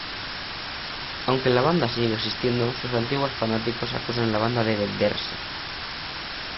Aunque la banda sigue existiendo su antiguos fanáticos acusan a la banda de "venderse".